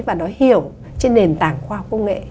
và nó hiểu trên nền tảng khoa học công nghệ